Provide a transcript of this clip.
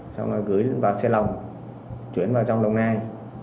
xong rồi gửi vào xe lồng chuyển vào trong đồng nai